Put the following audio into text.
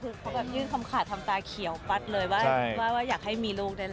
คือเขาแบบยื่นคำขาดทำตาเขียวฟัดเลยว่าอยากให้มีลูกได้แล้ว